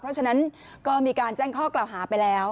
เพราะฉะนั้นก็มีการแจ้งข้อกล่าวหาไปแล้ว